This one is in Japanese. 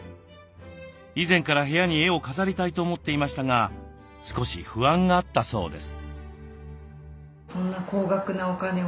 以前から部屋に絵を飾りたいと思っていましたが少し不安があったそうです。